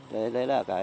đấy là những cái